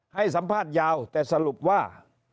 ให้สัมภาษณ์ยาวแต่สรุปว่า